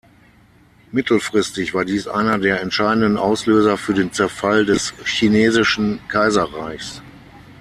Mittelfristig war dies einer der entscheidenden Auslöser für den Zerfall des chinesischen Kaiserreiches.